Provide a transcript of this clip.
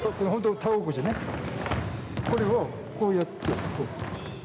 これを、こうやってこう。